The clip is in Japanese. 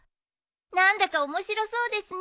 何だか面白そうですね。